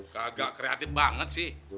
kagak kreatif banget sih